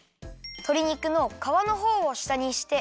とり肉のかわのほうをしたにして。